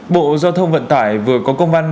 bộ giao thông vận tải vừa có công an khẩn gửi